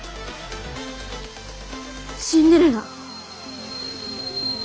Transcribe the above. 「シンデレラ」。